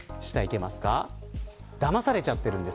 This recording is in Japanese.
だまされちゃっているんです。